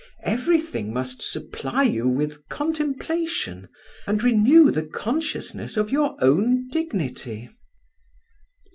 Everything must supply you with contemplation, and renew the consciousness of your own dignity."